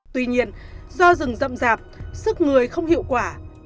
tuy nhiên do rừng rậm rạp sức người không hiệu quả